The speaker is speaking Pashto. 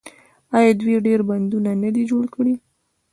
آیا دوی ډیر بندونه نه دي جوړ کړي؟